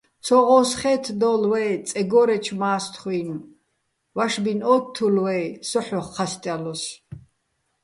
ცო ღოსხე́თდო́ლ ვაჲ წეგო́რეჩო̆ მა́სთხუჲნ, ვაშბინ ო́თთულ ვაჲ, სო ჰ̦ოხ ჴასტალოსო̆.